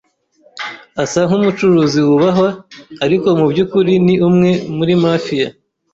Asa nkumucuruzi wubahwa, ariko mubyukuri ni umwe muri Mafia.